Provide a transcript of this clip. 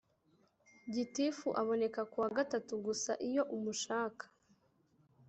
Gitifu aboneka kuwagatatu gusa iyo umushaka